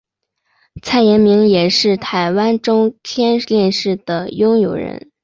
蔡衍明也是台湾中天电视的拥有人。